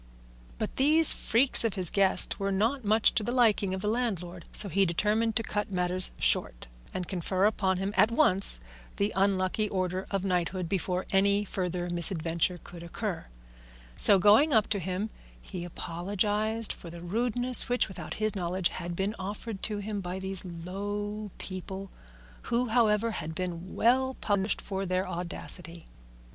But these freaks of his guest were not much to the liking of the landlord, so he determined to cut matters short and confer upon him at once the unlucky order of knighthood before any further misadventure could occur; so, going up to him, he apologised for the rudeness which, without his knowledge, had been offered to him by these low people, who, however, had been well punished for their audacity.